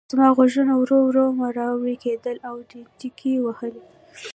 زما غوږونه ورو ورو مړاوي کېدل او ډينچکې وهلې.